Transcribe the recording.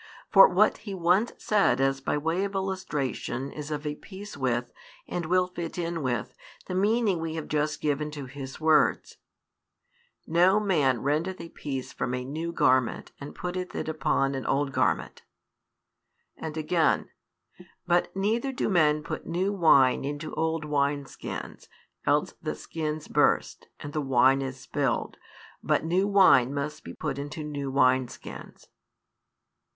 For what He once said as by way of illustration is of a piece with, and will fit in with, the meaning we have just given to His words: No man rendeth a piece from a new garment and putteth it upon an old garment; and again: But neither do men put new wine into old wine skins; else the skins burst, and the wine is spilled. But new wine must be put into new wine skins.